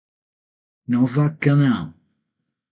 Nova Canaã